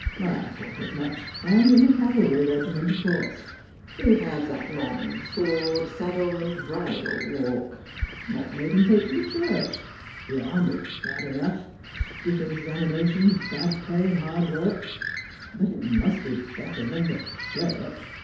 " I thought as much, and in a cavalry regiment, of course. He has the ' long sword, saddle, bridle ' walk. What made him take to the Church? The army's bad enough — stiff examina tions, bad pay, hard work; but it must be better than the Church.